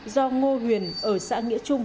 do ngô huyền ở xã nghĩa trung